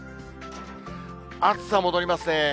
暑さ戻りますね。